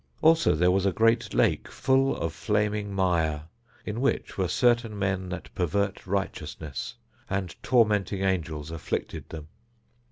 Also there was a great lake full of flaming mire in which were certain men that pervert righteousness, and tormenting angels afflicted them.